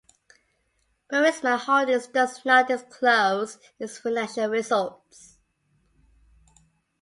Burisma Holdings does not disclose its financial results.